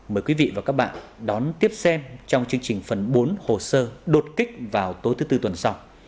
mời quý vị và các bạn đón tiếp xem trong chương trình phần bốn hồ sơ đột kích vào tối thứ tư tuần sau